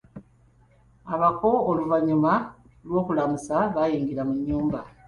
Abako oluvannyuma lw'okwelamusa baayingira mu nnyumba.